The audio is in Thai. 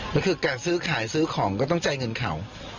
แล้วคือการซื้อขายซื้อของก็ต้องจ่ายเงินเขา